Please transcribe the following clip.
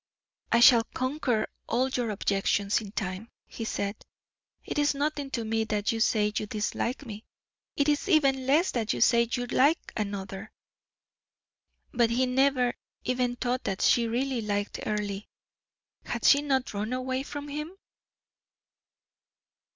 "I shall conquer all your objections in time," he said. "It is nothing to me that you say you dislike me; it is even less that you say you like another." But he never even thought that she really liked Earle. Had she not run away from him?